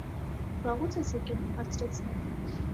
- Վաղո՞ւց ես եկել,- հարցրեց նա: